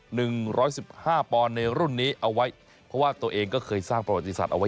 หนึ่งร้อยสิบห้าปอนด์ในรุ่นนี้เอาไว้เพราะว่าตัวเองก็เคยสร้างประวัติศาสตร์เอาไว้